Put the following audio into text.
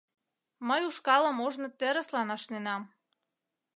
— Мый ушкалым ожно терыслан ашненам.